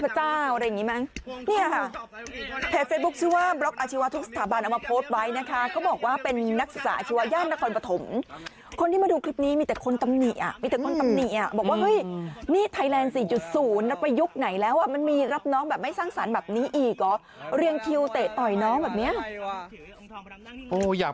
ส่วนหน่วงส่วนหน่วงส่วนหน่วงส่วนหน่วงส่วนหน่วงส่วนหน่วงส่วนหน่วงส่วนหน่วงส่วนหน่วงส่วนหน่วงส่วนหน่วงส่วนหน่วงส่วนหน่วงส่วนหน่วงส่วนหน่วงส่วนหน่วงส่วนหน่วงส่วนหน่วงส่วนหน่วงส่วนหน่วงส่วนหน่วงส่วนหน่วงส่วนหน่วงส่วนหน่วงส่วนหน